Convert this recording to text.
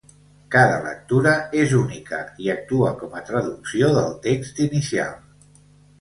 Cada lectura és única i actua com a traducció del text inicial.